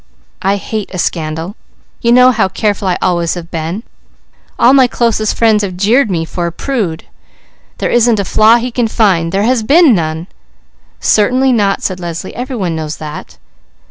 I hate a scandal. You know how careful I always have been. All my closest friends have jeered me for a prude; there isn't a flaw he can find, there has been none!" "Certainly not," said Leslie. "Every one knows that."